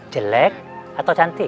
jelek atau cantik